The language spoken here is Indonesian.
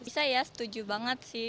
saya setuju banget sih